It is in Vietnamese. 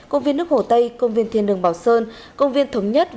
công viên nước hồ tây công viên thiên đường bảo sơn công viên thống nhất